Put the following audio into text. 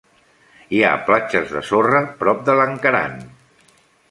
Hi ha platges de sorra prop de Lankaran.